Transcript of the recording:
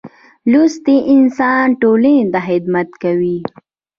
لوستی انسان ټولنې ته خدمت کوي.